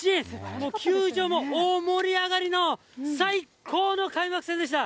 もう球場も大盛り上がりの最高の開幕戦でした。